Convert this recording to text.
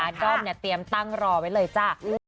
ด้อมเนี่ยเตรียมตั้งรอไว้เลยจ้ะ